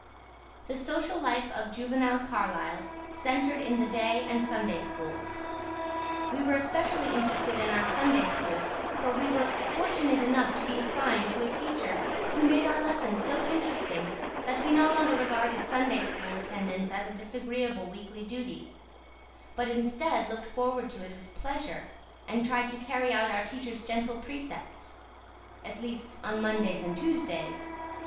The social life of juvenile Carlisle centred in the day and Sunday Schools. We were especially interested in our Sunday School, for we were fortunate enough to be assigned to a teacher who made our lessons so interesting that we no longer regarded Sunday School attendance as a disagreeable weekly duty; but instead looked forward to it with pleasure, and tried to carry out our teacher's gentle precepts at least on Mondays and Tuesdays.